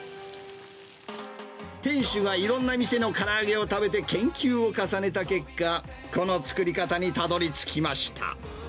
店主がいろんな店のから揚げを食べて研究を重ねた結果、この作り方にたどりつきました。